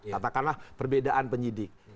katakanlah perbedaan penyidik